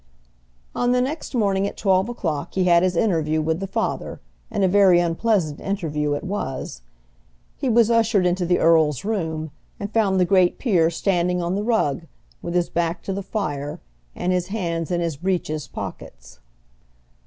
On the next morning at twelve o'clock he had his interview with the father, and a very unpleasant interview it was. He was ushered into the earl's room, and found the great peer standing on the rug, with his back to the fire, and his hands in his breeches pockets.